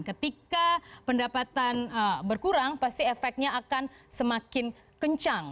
ketika pendapatan berkurang pasti efeknya akan semakin kencang